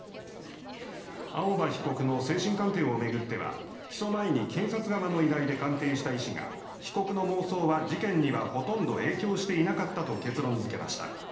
青葉被告の精神鑑定を巡っては起訴前に検察側の依頼で鑑定した医師が被告の妄想は、事件にはほとんど影響していなかったと結論付けました。